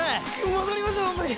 戻りましょうホンマに！